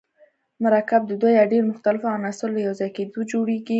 مرکب د دوه یا ډیرو مختلفو عناصرو له یوځای کیدو جوړیږي.